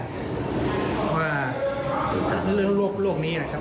เพราะว่าเรื่องโลกนี้นะครับ